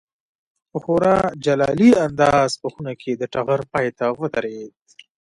په خورا جلالي انداز په خونه کې د ټغر پای ته ودرېد.